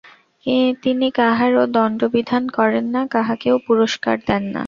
তিনি কাহারও দণ্ডবিধান করেন না, কাহাকেও পুরস্কার দেন না।